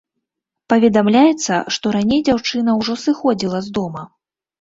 Паведамляецца, што раней дзяўчына ўжо сыходзіла з дома.